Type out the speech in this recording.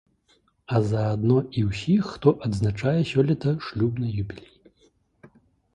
А заадно і ўсіх, хто адзначае сёлета шлюбны юбілей.